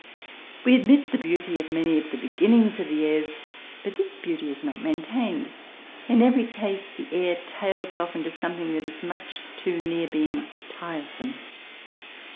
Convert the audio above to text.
We admit the beauty of many of the beginnings of the airs, but this beauty is not maintained, in every case the air tails off into something that is much too near being tiresome.